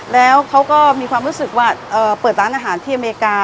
แล้วเขาก็มีความรู้สึกว่าเปิดร้านอาหารที่อเมริกา